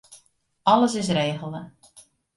Alles is regele.